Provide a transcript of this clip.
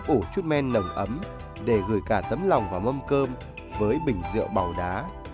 trong mâm cơm có một chút men nồng ấm để gửi cả tấm lòng vào mâm cơm với bình rượu bầu đá